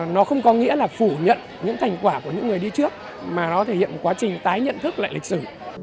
nó không có nghĩa là phủ nhận những thành quả của những người đi trước mà nó thể hiện quá trình tái nhận thức lại lịch sử